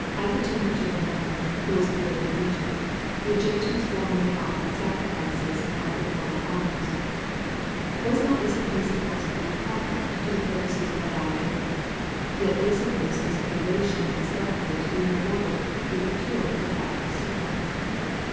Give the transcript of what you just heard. " At the tomb of Jeremiah, who was buried in Egypt, the Egyptians formerly offered sacrifices and other divine honours. Was not this abusing God's holy prophet to the purposes of idolatry? Yet they supposed this veneration of his sepulchre to be rewarded with a cure for the bite of serpents.